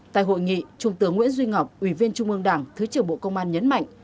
tại hội nghị trung tướng nguyễn duy ngọc ủy viên trung ương đảng thứ trưởng bộ công an nhấn mạnh